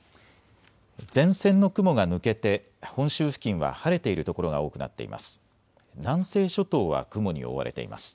前線の雲が抜けて本州付近は晴れている所が多くなっています。